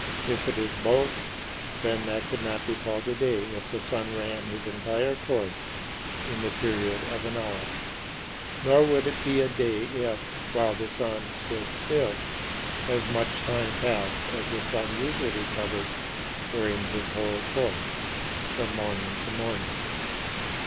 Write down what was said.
If it is both, then that could not be called a day if the sun ran his entire course in the period of an hour; nor would it be a day if, while the sun stood still, as much time passed as the sun usually covered during his whole course, from morning to morning.